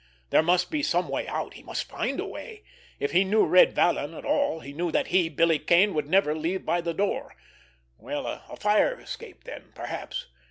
There must be some way out, he must find a way. If he knew Red Vallon at all, he knew that he, Billy Kane, would never leave by the door! Well, a fire escape then, perhaps!